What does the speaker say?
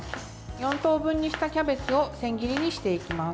４等分にしたキャベツを千切りにしていきます。